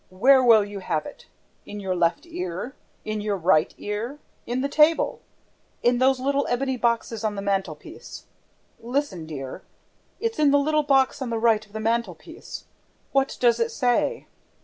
Where will you have it? In your left ear? In your right ear? In the table? In those little ebony boxes on the mantelpiece? ... Listen, dear, it's in the little box on the right of the mantelpiece: what does it say?